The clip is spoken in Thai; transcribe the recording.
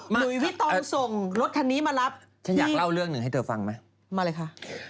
หุยพี่ตอนส่งรถคันนี้มารับฉันอยากเล่าเรื่องหนึ่งให้เธอฟังไหมมาเลยค่ะ